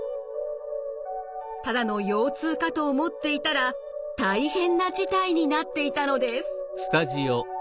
ただの腰痛かと思っていたら大変な事態になっていたのです。